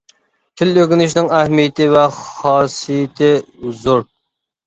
تىل ئۆگىنىشنىڭ ئەھمىيىتى ۋە خاسىيىتى زور.